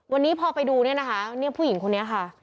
วันนี้พอไปดูเนี่ยนะคะเนี่ยผู้หญิงคนนี้ค่ะ